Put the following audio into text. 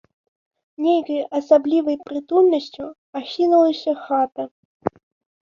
Нейкай асаблівай прытульнасцю ахінулася хата.